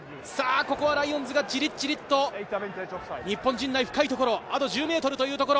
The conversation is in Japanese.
ライオンズがじりじりと日本陣内深い所、あと１０ｍというところ。